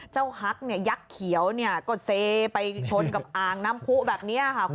ฮักเนี่ยยักษ์เขียวเนี่ยก็เซไปชนกับอ่างน้ำผู้แบบนี้ค่ะ